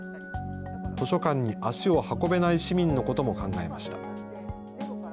図書館に足を運べない市民のことも考えました。